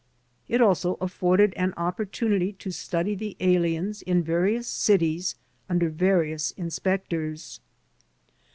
^ It also afforded an opportunity to study the aliens in various cities imder various inspectors.